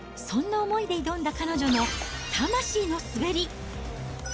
そんな思いで挑んだ彼女の魂の滑り。